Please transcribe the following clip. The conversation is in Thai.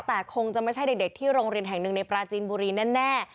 แต่คงจะไม่ใช่เด็กที่โรงเรียนแห่งหนึ่งในปราจีนบุรีแน่